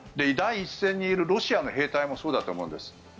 第一線にいるロシアの兵隊もそうだと思うんです。